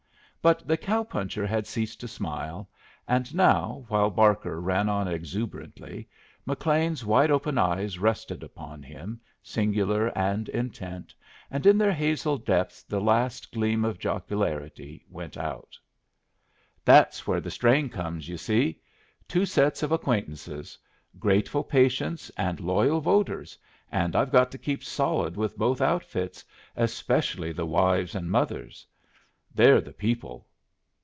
But the cow puncher had ceased to smile, and now, while Barker ran on exuberantly, McLean's wide open eyes rested upon him, singular and intent, and in their hazel depths the last gleam of jocularity went out. "That's where the strain comes, you see. Two sets of acquaintances. Grateful patients and loyal voters, and I've got to keep solid with both outfits, especially the wives and mothers. They're the people.